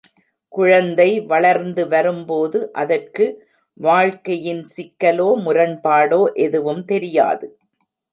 குழந்தை வளர்ந்து வரும்போது அதற்கு வாழ்க்கையின் சிக்கலோ, முரண்பாடோ, எதுவும் தெரியாது.